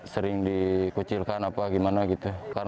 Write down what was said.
sering dikucilkan apa gimana gitu